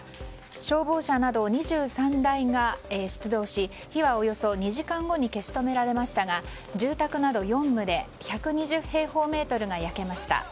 消防車など２３台が出動し火はおよそ２時間後に消し止められましたが住宅など４棟１２０平方メートルが焼けました。